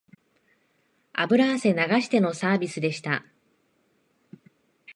油汗流してのサービスでした